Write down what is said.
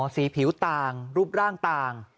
สีผิวต่างรูปร่างต่าง